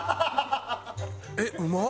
えっうまっ！